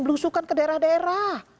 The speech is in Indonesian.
belusukan ke daerah daerah